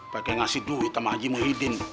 pengen ngasih duit sama haji muhyiddin